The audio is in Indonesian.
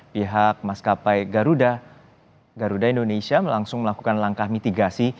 pihak maskapai garuda indonesia langsung melakukan langkah mitigasi